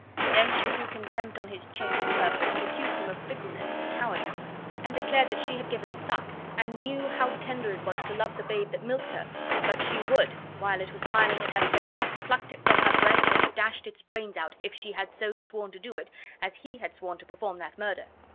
Then she threw contempt on his change of purpose, and accused him of fickleness and cowardice; and declared that she had given suck, and knew how tender it was to love the babe that milked her, but she would, while it was smiling in her face, have plucked it from her breast and dashed its brains out if she had so sworn to do it as he had sworn to perform that murder.